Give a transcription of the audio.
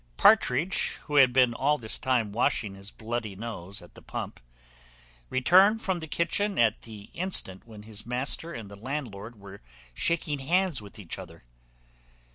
Partridge, who had been all this time washing his bloody nose at the pump, returned into the kitchen at the instant when his master and the landlord were shaking hands with each other.